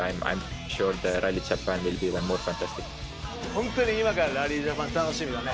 ホントに今からラリージャパン楽しみだね。